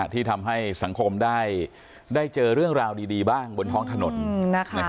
ที่ทำให้สังคมได้เจอเรื่องราวดีบ้างบนท้องถนน